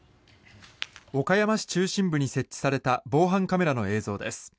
岡山市中心部に設置された防犯カメラの映像です。